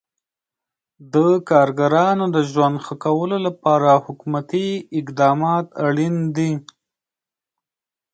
د کارګرانو د ژوند ښه کولو لپاره حکومتي اقدامات اړین دي.